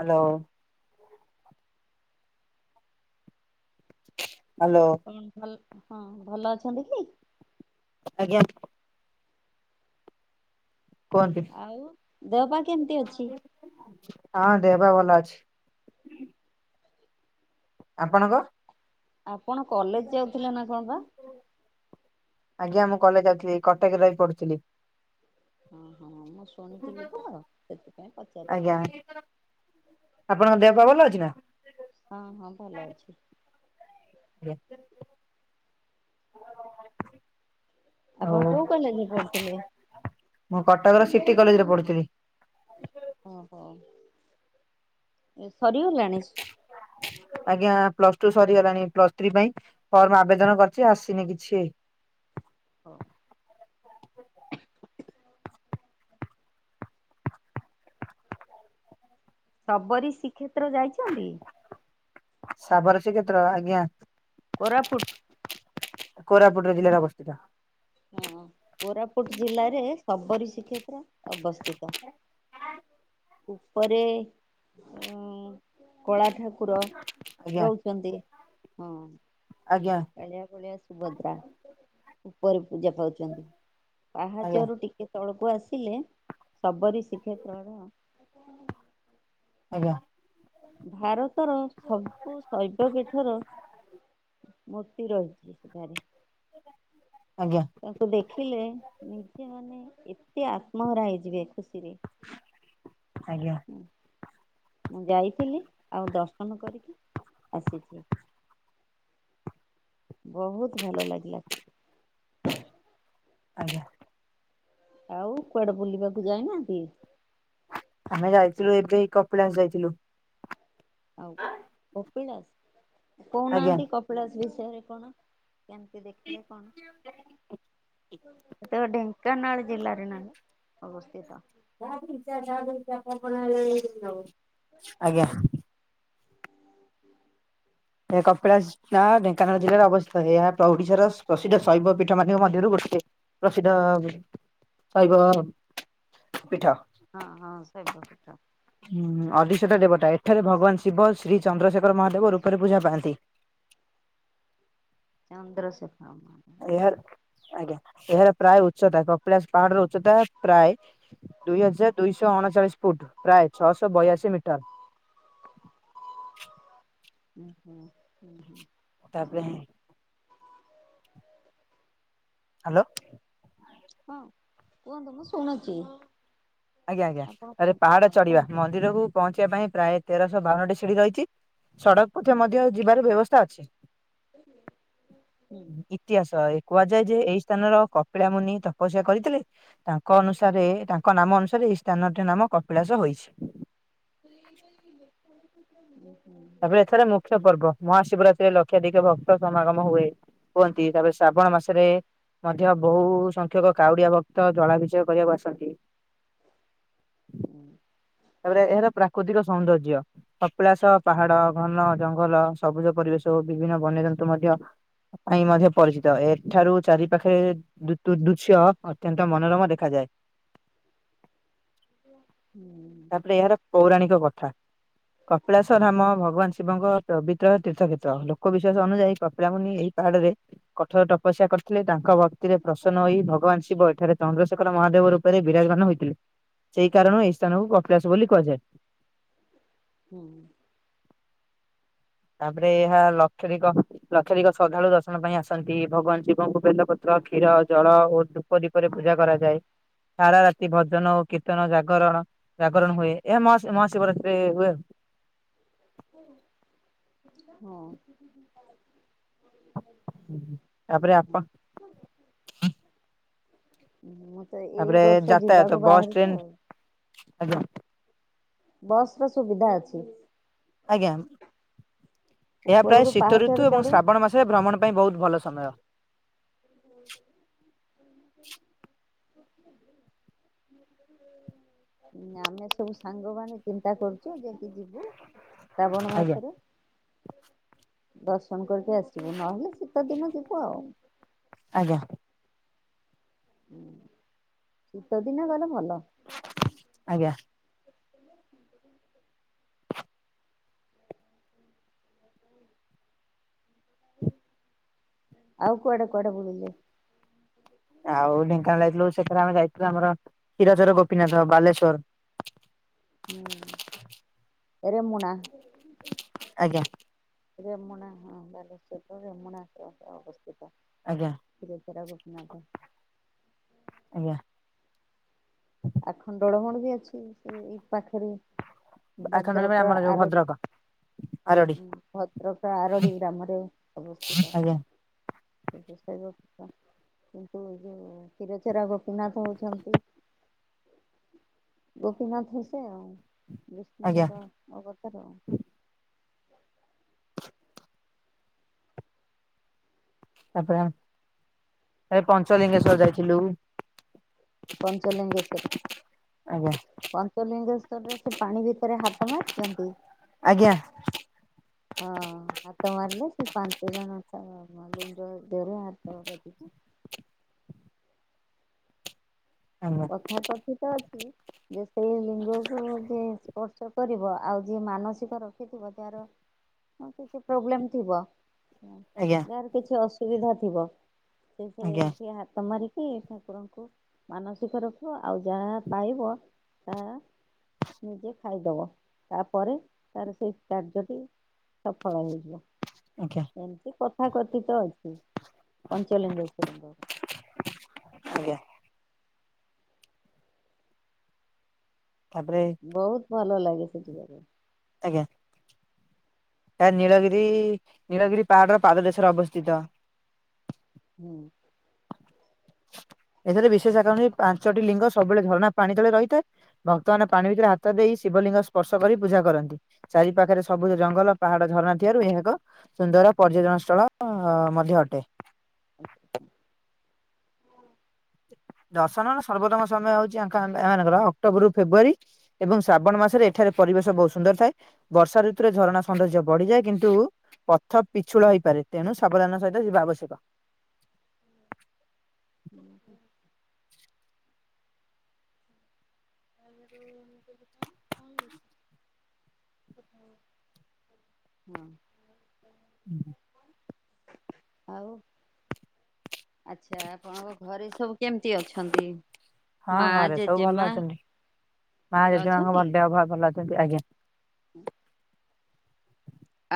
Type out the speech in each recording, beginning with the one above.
Hello hello କଣ ଭଲ ହଁ ଭଲ ଅଛନ୍ତି କି ଆଜ୍ଞା କୁହନ୍ତୁ ଆଉ ଦେହପା କେମତି ଅଛି ହଁ ଦେହପା ଭଲ ଅଛି। ଆପଣଙ୍କ ଆପଣ କଲେଜ ଯାଉଥିଲେ ନା କଣ ପା ଆଜ୍ଞା ମୁଁ କଲେଜ ଯାଉଥିଲି କଟକରେ ରହି ପଢୁଥିଲି ହଁ ହଁ ମୁଁ ଶୁଣିଥିଲି ତ ସେଥିପାଇଁ ଆଜ୍ଞା ପଚାରିଥିଲି ଆପଣଙ୍କ ଦେହ ପା ଭଲ ଅଛି ନା ହଁ ହଁ ଭଲ ଅଛି [inaudible] ଆପଣ ଆଉ କୋଉ କଲେଜରେ ପଢୁଥିଲେ। ମୁଁ କଟକ ର ସିଟି କଲେଜରେ ପଢିଥିଲି ଓହୋ ଏ ସରିଗଲାଣି ଆଜ୍ଞା ପ୍ଲସ ଟୁ ସରିଗଲାଣି ପ୍ଲସ ଥ୍ରୀ ପାଇଁ ଫର୍ମ ଆବେଦନ କରିଛି ଆସିନି କିଛିଇ ହଁ ଶବରୀ ଶ୍ରୀକ୍ଷେତ୍ର ଯାଇଛନ୍ତି ସାବର ଶ୍ରୀ କ୍ଷେତ୍ର ଆଜ୍ଞା। କୋରାପୁଟ? କୋରାପୁଟର ଜିଲ୍ଲାରେ ଅବସ୍ଥିତ। ହଁ କୋରାପୁଟ ଜିଲ୍ଲାରେ ସବରୀ ଶ୍ରୀକ୍ଷେତ୍ର ଅବସ୍ଥିତ। ଉପରେ ଉଁ କଳା ଠାକୁର ଆଜ୍ଞା ରହୁଛନ୍ତି ହଁ। ଆଜ୍ଞା କାଳିଆ ବଳିଆ ସୁଭଦ୍ରା ଉପରେ ପୂଜା ପାଉଛନ୍ତି। ଆଜ୍ଞା ପାହାଚରୁ ଟିକେ ତଳକୁ ଆସିଲେ ଶବରୀ ଶ୍ରୀକ୍ଷେତ୍ରର ଆଜ୍ଞା। ଭାରତର ସବୁ ଶୈବ ପିଠର ମୂର୍ତ୍ତି ରହିଛି ସେଠାରେ। ଆଜ୍ଞା। ତାଙ୍କୁ ଦେଖିଲେ ନିଜେ ମାନେ ଏତେ ଆତ୍ମହରା ହେଇଯିବେ ଖୁସିରେ। ଆଜ୍ଞା। ମୁଁ ଯାଇଥିଲି ଆଉ ଦର୍ଶନ କରିକି ଆସିଛି। ବହୁତ ଭଲ ଲାଗିଲା। ଆଜ୍ଞା। ଆଉ କୁଆଡେ ବୁଲିବାକୁ ଯାଇନାହାନ୍ତି? ଆମେ ଯାଇଥିଲୁ ଏବେ କପିଳାଶ ଯାଇଥିଲୁ। ଆଉ କପିଳାସ ଆଜ୍ଞା କହୁନାହାନ୍ତି କପିଳାସ ବିଷୟରେ କଣ? କେମିତି ଦେଖିଲେ କଣ? ଏତ ଢେଙ୍କାନାଳ ଜିଲ୍ଲାରେ ନାହିଁ ଅବସ୍ଥିତ। ଆଜ୍ଞା। ଏ କପିଳାସ। ନା ଢେଙ୍କାନାଳ ଜିଲ୍ଲାରେ ଅବସ୍ଥିତ ଏହା ଓଡିଶାର ପ୍ରସିଦ୍ଧ ଶୈବ ପୀଠ ମାନଙ୍କ ମଧ୍ୟରୁ ଗୋଟେ। ପ୍ରସିଦ୍ଧ ଶୈବ ପୀଠ। ହଁ ହଁ ଶୈବ ପୀଠ। ହୁଁ ଅଧିଶତ ଦେବତା। ଏଠାରେ ଭଗବାନ ଶିବ ଶ୍ରୀ ଚନ୍ଦ୍ରଶେଖର ମହାଦେବ ରୂପରେ ପୂଜା ପାଆନ୍ତି। ଚନ୍ଦ୍ରଶେଖର ହଁ। ଏହାର ଆଜ୍ଞା ଏହାର ପ୍ରାୟ ଉଚ୍ଚତା କପିଳାସ ପାହାଡର ଉଚ୍ଚତା ପ୍ରାୟ ଦୁଇ ହଜାର ଦୁଇଶହ ଅଣଚାଳିଶ ଫୁଟ୍ ପ୍ରାୟ ଛଅଶହ ବୟାଶୀ ମିଟର। ହୁଁ ହୁଁ ହୁଁ ହୁଁ। ତାପରେ ହ୍ୟାଲୋ। ହଁ କୁହନ୍ତୁ ମୁ ଶୁଣୁଛି। ଆଜ୍ଞା ଆଜ୍ଞା ଆପଣ ଆରେ କୁହନ୍ତୁ ପାହାଡ ହଁ ଚଢିବା କୁହନ୍ତୁ। ମନ୍ଦିରକୁ ପହଞ୍ଚିବା ପାଇଁ ପ୍ରାୟ ତେରଶହ ବାଉନଟି ସିଡିି ରହିଛି। ସଡ଼କ ପଥ ମଧ୍ୟ ଯିବାର ବ୍ୟବସ୍ଥା ଅଛି। ହୁଁ [unintelligible] ଇତିହାସ ଏ କୁହାଯାଏ ଯେ ଏଇ ସ୍ଥାନର କପିଳା ମୁୁନି ତପସ୍ୟା କରିଥିଲେ ତାଙ୍କ ଅନୁସାରେ ତାଙ୍କ ନାମ ଅନୁସାରେ ଏଇ ସ୍ଥାନଟି ନାମ କପିଳାସ ହୋଇଛି। ଓ ହୁଁ। ତାପରେ ଏଥିରେ ମୁଖ୍ୟ ପର୍ବ ମହାଶିବରାତ୍ରି ରେ ଲକ୍ଷାଧିକ ଭ ସମାଗମ ହୁଏ ହୁଅନ୍ତି। ତାପରେ ଶ୍ରାବଣ ମାସରେ ମଧ୍ୟ ବହୁ ସଂଖ୍ୟକ କାଉଡିଆ ଭକ୍ତ ଜଳାଭିଶେକ କରିବାକୁ ଆସନ୍ତି। ହୁଁ। ତାପରେ ଏହାର ପ୍ରାକୃତିକ ସୌନ୍ଦର୍ଯ୍ୟ କପିଳାସ ପାହାଡ ଘନ ଜଙ୍ଗଲ ସବୁଜ ପରିବେଶ ହଉ ବିଭିନ୍ନ ବନ୍ୟଜନ୍ତୁ ମଧ୍ୟ ପାଇଁ ମଧ୍ୟ ପରିଚିତ। ଏଠାରୁ ଚାରି ପାଖରେ ଦୁ ଦୁ ଦୃଶ୍ୟ ଅତ୍ୟନ୍ତ ମନୋରମ ଦେଖାଯାଏ। ହୁଁ। ଏହାର ପୌରାଣିକ କଥା କପିଳାଶ ରାମ ଭଗବାନ ଶିବଙ୍କ ପବିତ୍ର ତୀର୍ଥ କ୍ଷେତ୍ର ଲୋକ ବିିଶ୍ୱାସ ଅନୁଯାୟୀ କପିଳା ମୁୁନି ଏ ପାଡରେ କଠୋର ତପସ୍ୟାକରି ଥି ଥିଲେ ତାଙ୍କ ଭକ୍ତିରେ ପ୍ରସନ୍ନ ହୋଇ ଭଗବାନ ଶିବ ଏଠାରେ ଚନ୍ଦ୍ରଶେଖର ମହାଦେବ ରୂପରେ ବିରାଜମାନ ହୋଇଥିଲେ। ସେଇ କାରଣରୁ ଏଇ ସ୍ଥାନକୁ କପଳାସ ବୋଲି କୁହାଯାଏ। ହୁଁ ତାପରେ ଏହା ଲକ୍ଷାଧିକ ଲକ୍ଷାଧିକଙ୍କ ଶ୍ରଦ୍ଧାଳୁ ଦର୍ଶନ ପାଇଁ ଆସନ୍ତି ଭଗବାନ ଶିବଙ୍କୁ ବେଲ ୍ର କ୍ଷୀର ଜଳ ଓ ଧୂପ ଦୀପରେ ପୂଜା କରାଯାଏ। ସାରା ରାାତି ଭଜନ କୀର୍ତ୍ତନ ଜାଗରଣ ବ୍ୟାକରଣ ହୁଏ ଏହା ମାସ ମାହା ଶିବରାତ୍ରରେ ହୁଏ ଆଉ ହଁ ତାପରେ ହଁ। ଆପଣ ମୁଁ ତ ଏଇ ତାପରେ ବର୍ଷ ଯାତାୟାତ ଯିବାକୁ ବସ୍ ଟ୍ରେନ ବାହାରିଛି ଆଉ। ଆଜ୍ଞା ବସ ର ସୁବିଧା ଅଛି। ଆଜ୍ଞା ଏହା ପ୍ରାୟ ଉପରକୁ ଶୀତ ପାହାଚରେ ଋତୁ ଏବଂ ଚଢୁ ଶ୍ରାବଣ ମାସ ସେ ଭ୍ରମଣ ପାଇଁ ବହୁତ ଭଲ ସମୟ। ହୁଁ ଁ ଆମେ ସବୁ ସାଙ୍ଗମାନେ ଚିନ୍ତା କରୁଛୁ ଯେତି ଯିବୁ ଶ୍ରାବଣ ଆଜ୍ଞା ମାସରେ ଦର୍ଶନ କରିକି ଆସିବୁ ନହେଲେ ଶୀତ ଦିନ ଯିବୁ ଆଉ। ଆଜ୍ଞା ହୁଁ ଶୀତ ଦିନ ଗଲେ ଭଲ। ଆଜ୍ଞା ଆଉ କୁଆଡେ କୁଆଡେ ବୁଲିଲେ? ଆଉ ଢେଙ୍କାନାଳ ଯାଇଥିଲୁ ସେଠଥିରେ ଆମେ ଯାଇଥିଲୁ ଆମର କ୍ଷୀରଚୋରା ଗୋପୀନାଥ ବାଲେଶ୍ଵର ହୁଁ ରେମନା ଆଜ୍ଞା ରରେମୁନା ହଁ ବାଲେଶ୍ୱର ରରେମୁନା ଅବସ୍ଥିତ। ଆଜ୍ଞା କ୍ଷୀରଚୋରା ଗୋପୀନାଥ ଆଜ୍ଞା ଆଖଣ୍ଡଳମଣି ଯୋଉ ଅଛି ସେ ଏଇ ପାଖରେ ଆଖଣ୍ଡଳ ମଣି ଭଦ୍ରକ ଆମର ଯୋଉ ଆରରି ଭଦ୍ରକ ଆରଡି ହୁଁ ଭଦ୍ରକ ଆରଡି ଗ୍ରାମରେ ଅବସ୍ଥିତ। ଆଜ୍ଞା ବା କଥା କିନ୍ତୁ ଏ ଯେଉଁ କ୍ଷୀରଚୋରା ଗୋପୀନାଥ ହେଉଛନ୍ତି ଗୋପୀନାଥ ହସେ ଆଉ ଆଜ୍ଞା ବିଷ୍ଣୁୁର ଅବତାରୁ ଆଉ। ତାପରେ ଏରେ ପଞ୍ଚଲିଙ୍ଗେଶ୍ଵର ଯାଇଥିଲୁ ପାଞ୍ଚଲେଙ୍ଗେଶ୍ଵର ଆଜ୍ଞା ପଞ୍ଚଲିଙ୍ଗେଶ୍ୱର ସେ ପାଣି ଭିତରେ ହାତ ମାରିଛନ୍ତି? [unintelligible] ହଁ ହାତ ମାରିଲେ ସେ ପାଞ୍ଚ ଜଣ ଲିଙ୍ଗ ଦେରୁ ହାତବ ଟିକେ ଆଜ୍ଞା କଥା କଥା ତ ଅଛି ଯେ ସେଇ ଲିଙ୍ଗକୁ ଯିଏ ସ୍ପର୍ଶ କରିବ ଆଉ ଯିଏ ମାନସିକ ରଖିଥିବ ତାହାର ହଁ କିଛି ପ୍ରୋବ୍ଲେମ ଥିବ ଆଜ୍ଞା କିଛି ଅସୁବିଧା ଥିବ ସେ ସେ ଆଜ୍ଞା କି ହାତ ମାରି ଠାକୁରଙ୍କୁ ମାନସିକ ରଖିବ ଆଉ ଯାହା ପାଇବ ତାହା ନିଜେ ଖାଇଦବ ତାପରେ ତାର ସେଇ କାର୍ଯ୍ୟଟି ସଫଳ ହୋଇଯିବ। ଆଜ୍ଞା ଏମିତି କଥାକଥିତ ଅଛି ପଞ୍ଚଲିଙ୍ଗେଶ୍ୱର ଙ୍କ ର। ଆଜ୍ଞା। ତାପରେ ବହୁତ ଭଲ ଲାଗେ ସେଠି ଆଜ୍ଞା ଏହା ନୀଳଗିରି ନୀଳଗିରି ପାହାଡର ପାଦଦେଶରେ ଅବସ୍ଥିତ। ହୁଁ। ଏଥିରେ ବିଶେଷ ଆକର୍ଷଣ ପାଞ୍ଚଟି ଲିଙ୍ଗ ସବୁବେଳେ ଝରଣା ପାଣି ତଳେ ରହିଥାଏ ଭକ୍ତମାନେ ପାଣି ଭିତରେ ହାତ ଦେଇ ଶିବଲିଙ୍ଗ ସ୍ପର୍ଶ କରି ପୂଜା କରନ୍ତି ଚାରି ପାଖରେ ସବୁ ଜଙ୍ଗଲ ପାହାଡ ଝରଣା ଥିବାରୁ ଏହା ଏକ ସୁନ୍ଦର ପର୍ଯ୍ୟଟନ ସ୍ଥଳ ମଧ୍ୟ ଅଟେ। ଆଚ୍ଛା। ଦର୍ଶନ ସର୍ବୋତମ ସମୟ ହଉଛି ଏମାନଙ୍କର ଅକ୍ଟୋବରରୁ ଫେବୃୟାରୀ ଏବଂ ଶ୍ରାବଣ ମାସରେ ଏଠାରେ ପରିବେଶ ବହୁତ ସୁନ୍ଦର ଥାଏ। ବର୍ଷା ଋତୁରେ ଝରଣା ସୌନ୍ଦର୍ଯ୍ୟ ବଢିଯାଏ କିନ୍ତୁ ପଥ ପିଛୁଳ ହେଇପାରେ ତେଣୁ ସାବଧାନ ସହିତ ଯିବା ଆବଶ୍ୟକ। ହଁ। ତାଲରୁ କଂ [unintelligible] ହଁ। ହୁଁ। ଆଉ। ଆଛା ଆପଣଙ୍କ ଘରେ ସବୁ କେମିତି ଅଛନ୍ତି? ହଁ ମା ଘରେ ସବୁ ଭଲ ଜେଜେମା ଭଲ ଅଛନ୍ତି? ଭ ଭଲ ଅଛନ୍ତି ଆଜ୍ଞା ର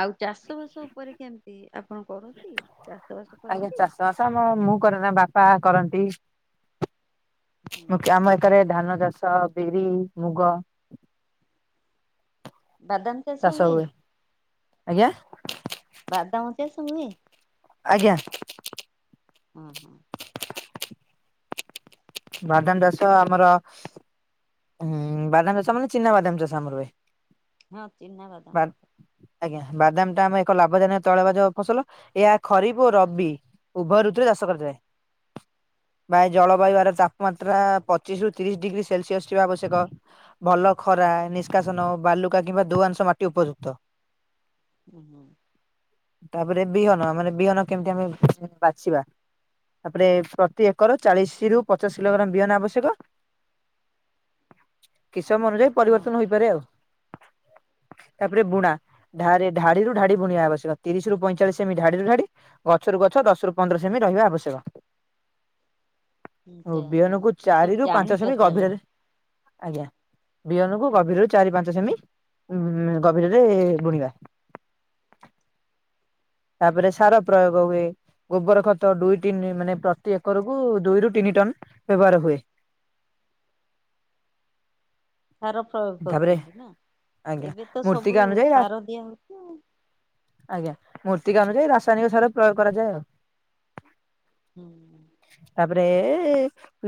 ଆଉ ଚାଷବାସ ଉପରେ କେମିତି ଆପଣ କରନ୍ତି? ଚାଷ ବାସ ଆଜ୍ଞା କରନ୍ତି? ଚାଷ ବାସ ଆମ ମୁଁ କରରେ ନା ବାପା କରନ୍ତି। ହୁଁ ମୁ ଆମ ଏଠାରେ ଧାନ ଚାଷ, ବିରି, ମୁଗ ବାଦାମ ଚାଷ ହୁଏ? ଆଜ୍ଞା ବାଦାମ ଚାଷ ହୁଏ? ଆଜ୍ଞା। ହଁ ବାଦାମ ଚାଷ ହଁ। ଆମରଁ ବାଦାମ ଚାଷ ମାନେ ଚିନାବାଦାମ ଚାଷ ଆମର ହୁଏ। ହଁ ଚିନା ବା ବାଦାମ। ଆଜ୍ଞା ବାଦାମ ଟା ଆମ ଏକ ଲାଭଜନକ ତୈଳବାଜ ଫସଲ ଏହା ଖରିଫ ଓ ରବି। ଉଭୟ ଋତୁରେ ଚାଷ କରିଥାଏ ବା ଜଳବାୟୁ ମାତ୍ରା ପଚିଶ ରୁ ତିରିଶ ଡିଗ୍ରୀ ସେଲସିଅସ୍ ଥିବା ଆବଶ୍ୟକ। ଭଲ ଖରା ନିଷ୍କାସନ ବାଲୁକା କିମ୍ବା ଦୁ ଅଂଶ ମାଟି ଉପଯୁକ୍ତ। ହୁଁ ହୁଁ। ତାପରେ ବିହନ ମାନେ ବିହନ କେମିତି ଆମେ ବାଛିବା। ତାପରେ ପ୍ରତି ଏକର ଚାଳିଶି ରୁ ପଚ ଚାଷ ଲଙ୍କଣ ବିହନ ଆବଶ୍ୟକ। କିସମ ଅନୁଯାୟୀ ହଁ। ପରିବର୍ତ୍ତନ ହୋଇପାରେ ଆଉ। ତାପରେ ବୁଣା ଧାରେ ଧାଡିରୁ ଢାଡି ବୁଣିବା ଆବଶ୍ୟକ ତିରିଶ ରୁ ପଇଁଚାଳିଶ ସେମିତି ଢାଡିରୁ ଢାଡି ଗଛରୁ ଗଛ ଦଶ ରୁ ପନ୍ଦର ସେମି ରହିବା ଆବଶ୍ୟକ। ଓ ଯା ବିହନ ହଉ କୁ ସବୁ ଚାରି ରୁ ପାଞ୍ଚ ଜାଣିଛ ସେମି ତାହେଲେ ଗଭୀରରେ ଆଜ୍ଞା ବିହନ କୁ ହଁ। ଗଭୀର ରୁ ଚାରି ପାଞ୍ଚ ସେମି ଉ ଗଭୀରରେ ବୁଣିବା। ତାପରେ ସାର ପ୍ରୟୋଗ ହୁଏ ଗୋବର ଖତ ଦୁଇ ତିନି ମାନେ ପ୍ରତି ଏକରକୁ ଦୁଇରୁ ତିନି ଟନ ବ୍ୟବହାର ହୁଏ। ସାର ପ୍ରୟୋଗ ତାପରେ କରୁଛନ୍ତି ନା, ଆଜ୍ଞା ଏବେ ତ ସବୁ ମୂର୍ତ୍ତିକା ଅନୁଯାୟୀ ସାର ଦିଆହଉଛି ଆଜ୍ଞା ମୂର୍ତିକା ଅନୁଯାୟୀ ରାସାୟନିକ ସାର ପ୍ରୟୋଗ କରାଯାଏ ଆଉ। ହୁଁ। ତାପରେ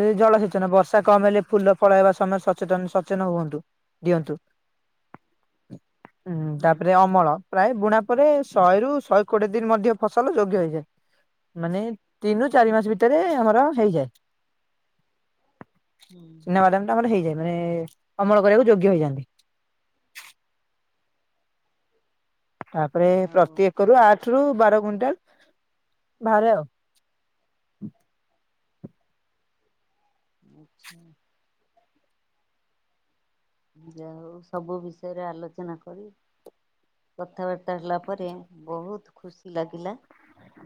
ଏ ଜଳସେଚନ ବର୍ଷା କମ ହେଲେ ଫୁଲ ଫଳ ହେବା ସମୟରେ ସଚେତନ ସଚେନ ହୁଅନ୍ତୁ। ଦିଅନ୍ତୁ ହୁଁ। ତାପରେ ଅମଳ। ପ୍ରାୟ ବୁଣା ପରେ ଶହେରୁୁ ଶହେ କୋଡିଏ ଦିନ ମଧ୍ୟ ଫସଲ ଯୋଗ୍ୟ ହେଇଯାଏ। ମାନେ ତିନରୁ ଚାରି ମାସେ ଭିତରେ ଆମର ହେଇଯାଏ। ହୁଁ ହୁଁ ଚିନାବାଦାମ ଟା ଆମର ହେଇଯାଏ ମାନେ ଅମଳ କରିବାକୁ ଯୋଗ୍ୟ ହେଇଯାନ୍ତି। ତାପରେ ଆଉ ପ୍ରତି ଏକର ରୁ ଆଠ ରୁ ବାର କୁଇଣ୍ଟାଲ ବାହାରେ ଆଉ। ଆଛା। ଯା ହଉ ସବୁ ବିଷୟରେ ଆଲୋଚନା କରି କଥାବାର୍ତ୍ତା ହେଲା ପରେ ବହୁତ ଖୁସି ଲାଗିଲା।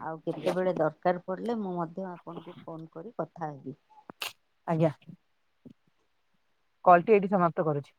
ଆଉ କେତେବେଳେ ଦରକାର ପଡ଼ିଲେ ମୁଁ ମଧ୍ୟ ଆପଣଙ୍କୁ ଫୋନ୍ କରି କଥା ହେବି। ଆଜ୍ଞା। କଲ୍ ଟି ଏଇଟି ସମାପ୍ତ କରୁଛି।